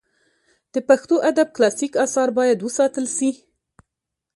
د پښتو ادب کلاسیک آثار باید وساتل سي.